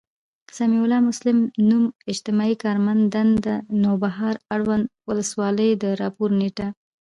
سمیع الله مسلم، نـــوم، اجتماعي کارمنددنــده، نوبهار، اړونــد ولسـوالـۍ، د راپــور نیــټه